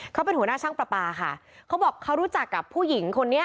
เขาเป็นหัวหน้าช่างปลาปลาค่ะเขาบอกเขารู้จักกับผู้หญิงคนนี้